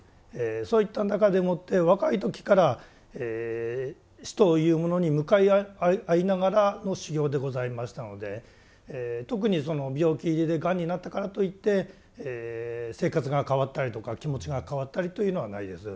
そういった中でもって若い時から死というものに向かい合いながらの修行でございましたので特にその病気でがんになったからといって生活が変わったりとか気持ちが変わったりというのはないです。